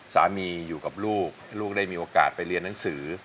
สามีอยู่กับลูกให้ลูกได้มีโอกาสไปเรียนหนังสือ